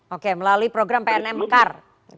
oke melalui program pnm mekar